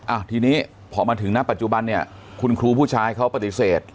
อ่ะทีนี้พอมาถึงณปัจจุบันเนี่ยคุณครูผู้ชายเขาปฏิเสธ